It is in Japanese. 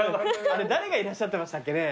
あれ誰がいらっしゃってましたっけね。